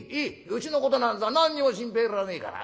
うちのことなんざ何にも心配いらねえから。